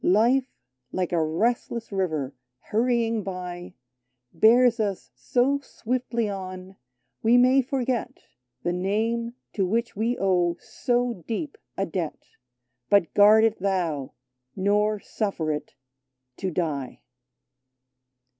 Life, like a restless river, hurrying by, 26 PICQU ART Bears us so swiftly on, we may forget The name to which we owe so deep a debt ; But guard it thou, nor suffer it to die